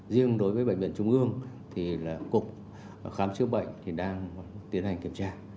riêng đối với bệnh viện trung ương thì là cục khám chữa bệnh đang tiến hành kiểm tra